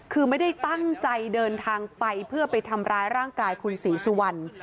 คือไม่ได้ตั้งใจเดินทางไปเพื่อไปทำร้ายร่างกายคุณศรีสุวรรณ